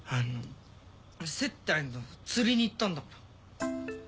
接待の釣りに行ったんだから。